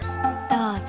どうぞ。